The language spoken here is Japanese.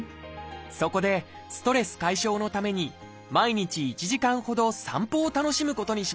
そこでストレス解消のために毎日１時間ほど散歩を楽しむことにしました。